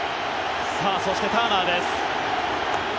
そしてターナーです。